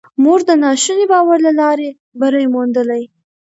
موږ د ناشوني باور له لارې بری موندلی.